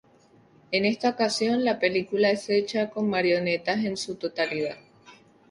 En esta ocasión la película es hecha con marionetas en su totalidad.